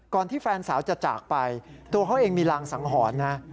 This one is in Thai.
ที่แฟนสาวจะจากไปตัวเขาเองมีรางสังหรณ์นะ